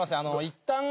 いったん。